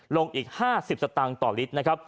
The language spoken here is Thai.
ลงอีก๕๐สตางค์ต่อลิตร